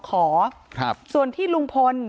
การแก้เคล็ดบางอย่างแค่นั้นเอง